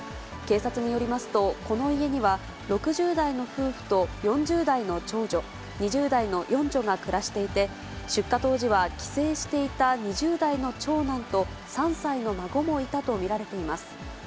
警察によりますと、この家には、６０代の夫婦と４０代の長女、２０代の四女が暮らしていて、出火当時は帰省していた２０代の長男と、３歳の孫もいたと見られています。